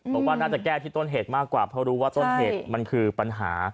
บอกว่าน่าจะแก้ที่ต้นเหตุมากกว่าเพราะรู้ว่าต้นเหตุมันคือปัญหา